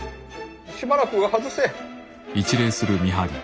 しばらく外せ。